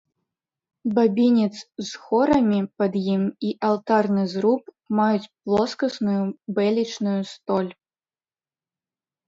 Бабінец з хорамі пад ім і алтарны зруб маюць плоскасную бэлечную столь.